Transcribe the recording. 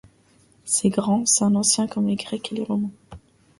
C'est grand, c'est ancien comme les Grecs et les Romains.